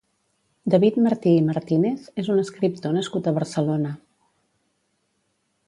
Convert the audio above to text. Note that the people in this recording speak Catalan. David Martí i Martínez és un escriptor nascut a Barcelona.